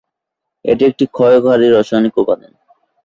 এটি একটি ক্ষয়কারী রাসায়নিক উপাদান।